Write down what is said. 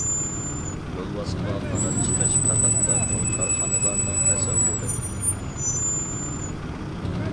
يولۋاسقا قانات چىقىش پەقەتلا چوڭ كارخانىلارنىڭ تەسەۋۋۇرى.